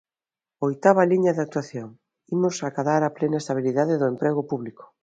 Oitava liña de actuación: imos acadar a plena estabilidade do emprego público.